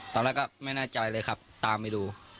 ตอนแรกก็ไม่แน่ใจเลยครับตามไปดู